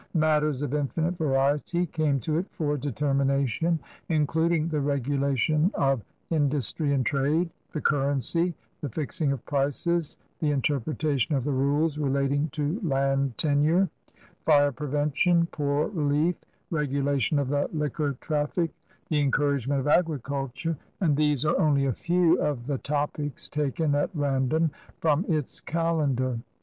Matters of infinite variety came to it for determination, including the r^ulation of industry and trade, the currency, the fixing of prices, the interpretation of the rules relating to land tenure, fire prevention, poor relief, regulation of the liquor traffic, the encouragement of agriculture — and these are only a few of the topics taken at ran dom from its calendar.